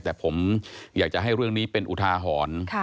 แต่ผมอยากจะให้เรื่องนี้เป็นอุทาหรณ์